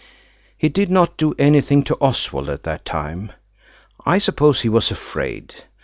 He did not do anything to Oswald at that time. I suppose he was afraid.